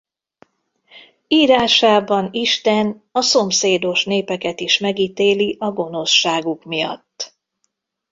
Írásában Isten a szomszédos népeket is megítéli a gonoszságuk miatt.